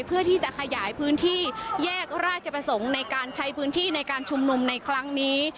เพื่อที่จะขยายพื้นที่แยกราชประสงค์ในการใช้พื้นที่ในการชุมนุมในครั้งนี้